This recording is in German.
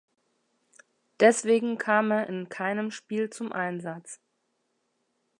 Deswegen kam er in keinem Spiel zum Einsatz.